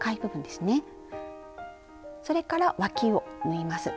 それからわきを縫います。